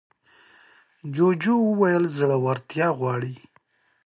جوجو وویل زړورتيا غواړي.